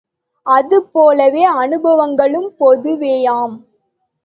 அது போலவே அனுபவங்களும் பொதுவேயாம்.